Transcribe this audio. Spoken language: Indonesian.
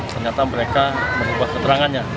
ternyata mereka mengubah keterangannya